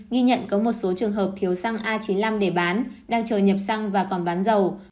ghi nhận có một số trường hợp thiếu xăng a chín mươi năm để bán đang chờ nhập xăng và còn bán dầu